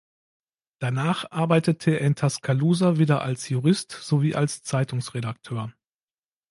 Danach arbeitete er in Tuscaloosa wieder als Jurist sowie als Zeitungsredakteur.